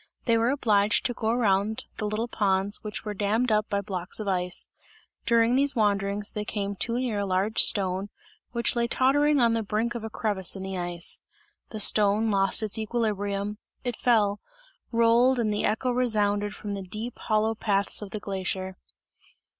They were obliged to go around the little ponds which were dammed up by blocks of ice; during these wanderings they came too near a large stone, which lay tottering on the brink of a crevice in the ice. The stone lost its equilibrium, it fell, rolled and the echo resounded from the deep hollow paths of the glacier.